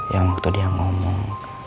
yang waktu dia ngomong